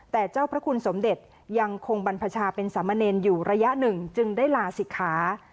แต่เจ้าพระคุณสมเด็จยังคงบรรพชาเป็นสามเณรอยู่ระยะหนึ่งจึงได้ลาศิกขา